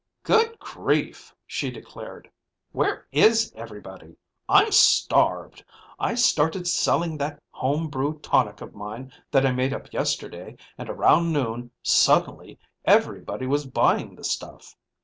"Good grief," she declared. "Where is everybody? I'm starved. I started selling that homebrew tonic of mine that I made up yesterday, and around noon, suddenly everybody was buying the stuff.